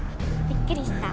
びっくりした？